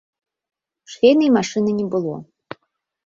Швейнай машыны не было.